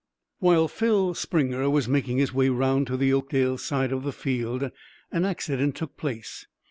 While Phil Springer was making his way round to the Oakdale side of the field an accident took place.